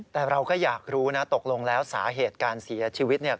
แต่เราก็อยากรู้นะตกลงแล้วสาเหตุการเสียชีวิตเนี่ย